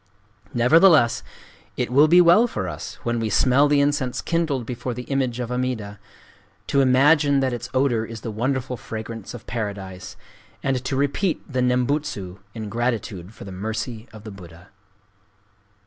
Nevertheless it will be well for us, when we smell the incense kindled before the image of Amida, to imagine that its odor is the wonderful fragrance of Paradise, and to repeat the Nembutsu in gratitude for the mercy of the Buddha."